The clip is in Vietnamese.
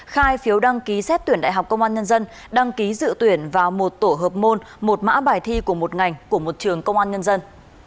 khai phiếu đăng ký xét tuyển đại học công an nhân dân đăng ký dự tuyển vào một tổ hợp môn một mã bài thi của một ngành của một trường công an nhân dân